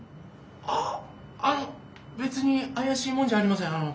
あっあのべつにあやしいものじゃありません。